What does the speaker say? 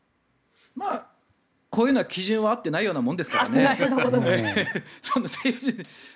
こういうのは基準はあってないようなものですからね。